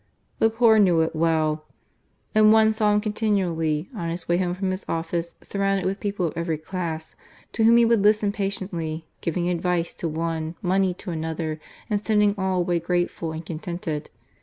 The poor knew it well, and one saw him con tinually, on his way home from his office, surrounded with people of every class, to whom he would listen patiently, giving advice to one, money to another, and sending all away grateful and contented.